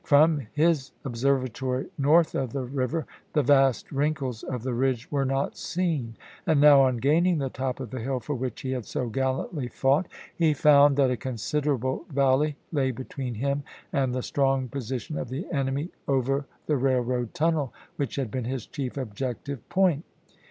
From his observa tory north of the river the vast wrinkles of the ridge were not seen, and now, on gaining the top of Nov.24,1863. the hill for which he had so gallantly fought, he found that a considerable valley lay between him and the strong position of the enemy over the rail road tunnel, which had been his chief objective point.